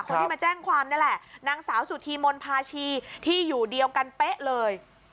คนที่มาแจ้งความนี่แหละนางสาวสุธีมนภาชีที่อยู่เดียวกันเป๊ะเลย